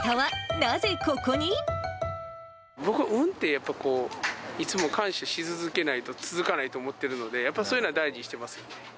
僕、運って、いつも感謝し続けないと続かないと思ってるので、やっぱそういうのは大事にしています。